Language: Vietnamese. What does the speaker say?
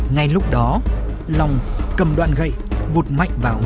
ngay lúc đó lòng cầm đoạn gậy vụt mạnh vào hút